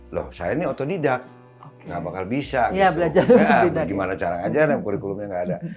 loh saya ini otodidak nggak bakal bisa belajar bagaimana cara ngajarnya kurikulumnya nggak ada